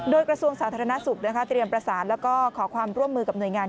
โดยกระทรวงสาธารณสุขเตรียมประสานแล้วก็ขอความร่วมมือกับหน่วยงาน